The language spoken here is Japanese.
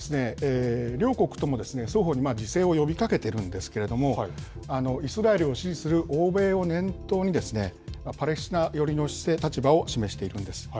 両国とも双方に自制を呼びかけているんですけれども、イスラエルを支持する欧米を念頭に、パレスチナ寄りの立場を示しているんです。